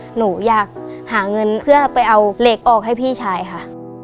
หนูอยากหาเงินเพื่อไปเอาเหล็กออกให้พี่ชายค่ะ